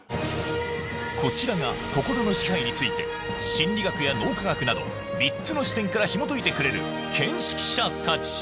こちらが心の支配について心理学や脳科学など３つの視点からひもといてくれる見識者たち